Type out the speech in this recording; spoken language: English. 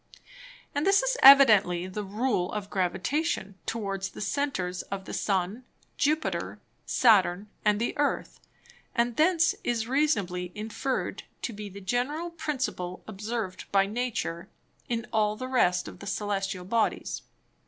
And this is evidently the Rule of Gravitation towards the Centers of the Sun, Jupiter, Saturn and the Earth, and thence is reasonably inferred, to be the general Principle observed by Nature, in all the rest of the Cœlestial Bodies.